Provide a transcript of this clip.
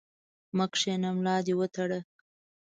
مه کښېنه ، ملا دي وتړه!